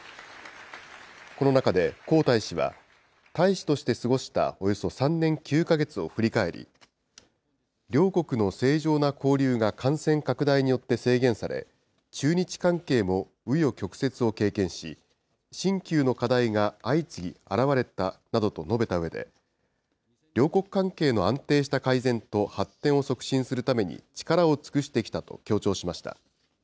この中で孔大使は、大使として過ごしたおよそ３年９か月を振り返り、両国の正常な交流が感染拡大によって制限され、中日関係もう余曲折を経験し、新旧の課題が相次ぎ現れたなどと述べたうえで、両国関係の安定した改善と発展を促進するために力を尽くしてきたと強調しました。